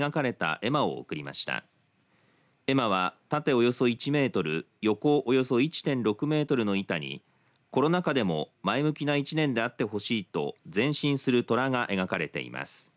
絵馬は、縦およそ１メートル横およそ１．６メートルの板にコロナ禍でも前向きな１年であってほしいと前進するとらが描かれています。